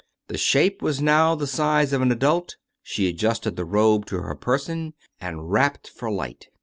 The shape was now the size of an adult ; she adjusted the robe to her person, and rapped for light.